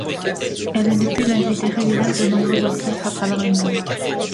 Elle est depuis l'invitée régulière de nombreux orchestres à travers le monde.